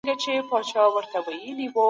نیک عمل هېڅکله نه ضایع کیږي.